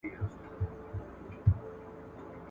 اقتصاد د تولید او مصرف ترمنځ توازن څیړي.